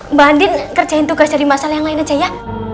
mbak andin kerjain tugas dari masalah yang lain aja ya